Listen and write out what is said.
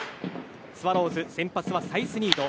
スワローズ先発はサイスニード。